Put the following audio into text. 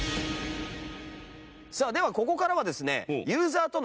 さあではここからはですね。